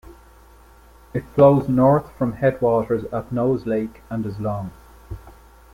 It flows north from headwaters at Nose Lake and is long.